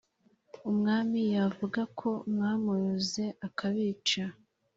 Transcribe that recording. umwami yavuga ko mwamuroze akabica"